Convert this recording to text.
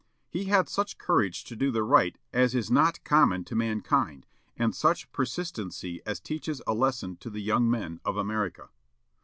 He had such courage to do the right as is not common to mankind, and such persistency as teaches a lesson to the young men of America.